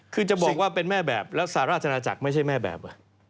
คือจะบอกว่าเป็นแม่แบบแล้วสหราชนาจักรไม่ใช่แม่แบบ